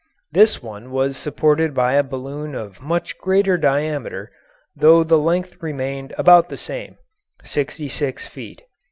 This one was supported by a balloon of much greater diameter, though the length remained about the same sixty six feet.